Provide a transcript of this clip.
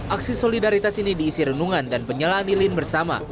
aksi solidaritas ini diisi renungan dan penyelaan ilin bersama